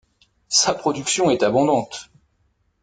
Sa production est abondante.